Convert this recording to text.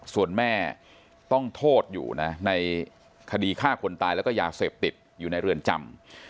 ส่วนแม่ต้องโทษอยู่นะในคดีฆ่าคนตายแล้วก็ยาเสพติดอยู่ในเรือนจำ